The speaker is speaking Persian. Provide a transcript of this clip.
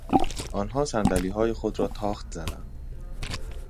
آنها صندلیهای خود را تاخت زدند.